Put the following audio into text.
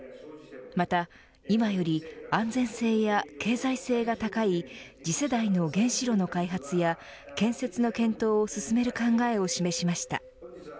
また、今より安全性や経済性が高い次世代の原子炉の開発や建設の検討を進める考えを示しました。